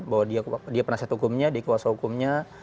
bahwa dia penasihat hukumnya dia kuasa hukumnya